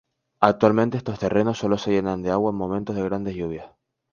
Actualmente estos terrenos solo se llenan de agua en momentos de grandes lluvias.